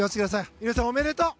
乾さん、おめでとう！